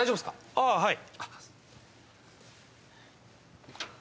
ああ、はい。